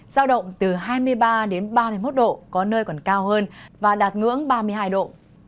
giao động từ hai mươi ba đến ba mươi một độ có nơi còn cao hơn và đạt ngưỡng ba mươi hai độ